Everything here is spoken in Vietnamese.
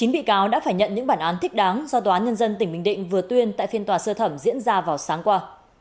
chín bị cáo đã phải nhận những bản án thích đáng do tòa nhân dân tỉnh bình định vừa tuyên tại phiên tòa sơ thẩm diễn ra vào sáng qua